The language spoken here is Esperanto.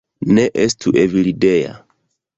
Ne estu Evildea